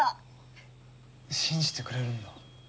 信じてくれるんだ。